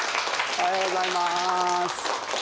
おはようございます。